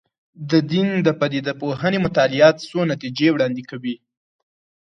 د دین د پدیده پوهنې مطالعات څو نتیجې وړاندې کوي.